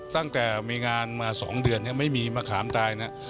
ตั้งแต่มีงานมา๒เดือนยังไม่มีมะขามตายนะ